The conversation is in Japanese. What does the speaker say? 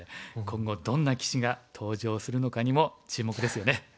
今後どんな棋士が登場するのかにも注目ですよね。